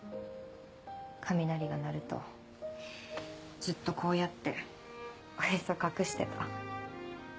雷が鳴るとずっとこうやっておへそ隠してた。